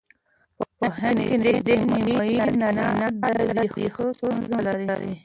په هند کې نژدې نیمایي نارینه د وېښتو ستونزه لري.